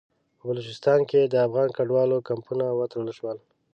په بلوچستان کې د افغان کډوالو کمپونه وتړل شول.